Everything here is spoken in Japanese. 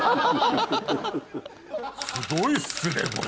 すごいっすねこれ。